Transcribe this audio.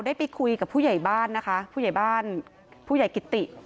ได้ไปคุยกับผู้ใหญ่บ้านนะคะผู้ใหญ่บ้านผู้ใหญ่กิติ